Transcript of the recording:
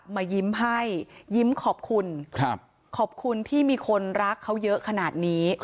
มายิ้มให้ยิ้มขอบคุณขอบคุณที่มีคนรักเขาเยอะขนาดนี้